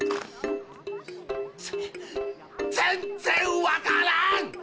全然わからん！